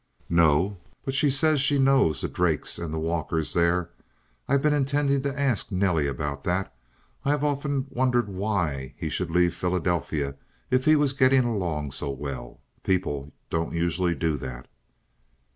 "No. But she says she knows the Drakes and the Walkers there. I've been intending to ask Nellie about that. I have often wondered why he should leave Philadelphia if he was getting along so well. People don't usually do that."